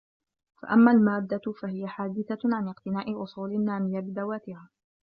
فَأَمَّا الْمَادَّةُ فَهِيَ حَادِثَةٌ عَنْ اقْتِنَاءِ أُصُولٍ نَامِيَةٍ بِذَوَاتِهَا